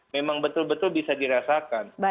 memang betul betul bisa dirasakan